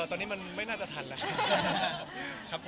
ตอนนี้มันไม่น่าจะทันแล้ว